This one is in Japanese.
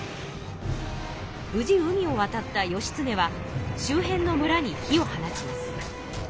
無事海を渡った義経は周辺の村に火を放ちます。